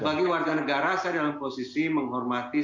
bagi warga negara saya dalam posisi menghormati